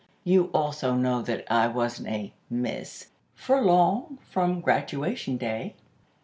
You also know that I wasn't a 'Miss' for long from graduation day.